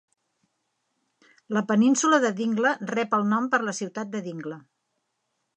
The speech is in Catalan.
La península de Dingle rep el nom per la ciutat de Dingle.